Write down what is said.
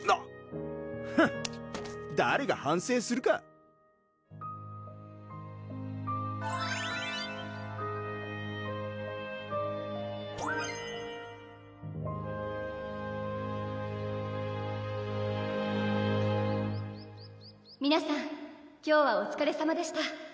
ハッフン誰が反省するか皆さん今日はおつかれさまでした